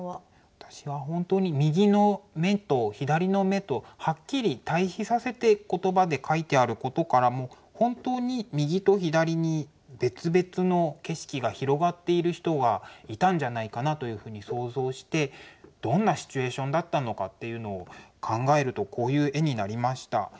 私は本当に右の眼と左の眼とはっきり対比させて言葉で書いてあることからも本当に右と左に別々の景色が広がっている人がいたんじゃないかなと想像してどんなシチュエーションだったのかっていうのを考えるとこういう絵になりました。